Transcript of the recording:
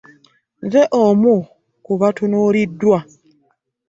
Nze omu ku batunuuliddwa.